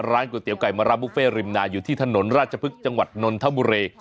ร้านก๋วยเตี๋ยวไก่มะระบุเฟ่ริมนาอยู่ที่ถนนราชภึกจังหวัดนนทบุเร